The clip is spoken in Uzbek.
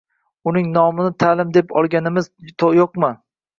uning nomini «ta’lim» deb olganimiz yo‘qmi?